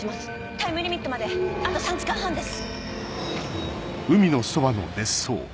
タイムリミットまであと３時間半です。